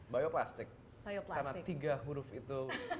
bioplastik karena tiga huruf itu